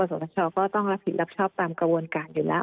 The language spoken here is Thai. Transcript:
โรงสอบธชาต้องรับผิดลับชอบตามกระวนการอยู่แล้ว